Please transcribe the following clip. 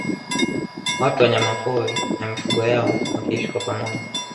Watu Wanyamapori na mifugo yao wakiishi kwa pamoja